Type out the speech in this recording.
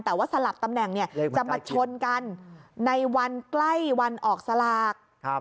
แต่ว่าสลับตำแหน่งเนี่ยจะมาชนกันในวันใกล้วันออกสลาก